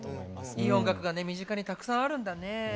いい音楽が身近にたくさんあるんだね。